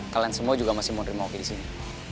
kalian semua juga masih mau nerima oki disini